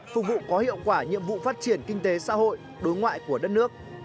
phục vụ có hiệu quả nhiệm vụ phát triển kinh tế xã hội đối ngoại của đất nước